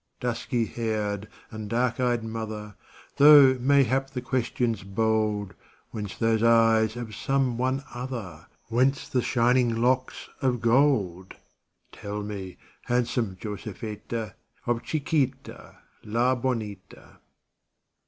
Dusky haired and dark eyed mother â Though mayhap the question 's bold â "Whence those eyes of some one other, Whence the shining locks of gold 1 Tell me, handsome Josepheta, Of Chiquita, La bonita.